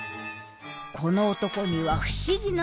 この男には不思議な「能力」が。